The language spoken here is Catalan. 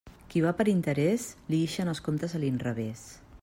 Qui va per l'interés, li ixen els comptes a l'inrevés.